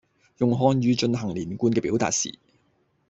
用漢語進行連貫嘅表達時